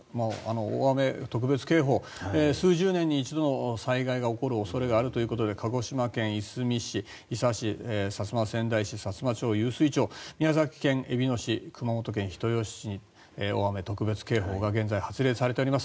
大雨特別警報数十年に一度の災害が恐れがあるということで鹿児島県出水市、伊佐市薩摩川内市、さつま町、湧水町宮崎県えびの市熊本県人吉市に大雨特別警報が現在、発令されています。